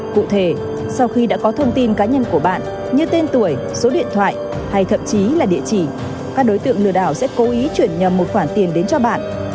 cụ thể sau khi đã có thông tin cá nhân của bạn như tên tuổi số điện thoại hay thậm chí là địa chỉ các đối tượng lừa đảo sẽ cố ý chuyển nhầm một khoản tiền đến cho bạn